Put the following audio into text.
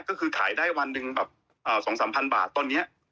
ก็คือขายได้วันหนึ่งแบบเอ่อสองสามพันบาทตอนเนี้ย